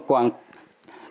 đưa quang chết rồi